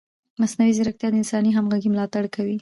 مصنوعي ځیرکتیا د انساني همغږۍ ملاتړ کوي.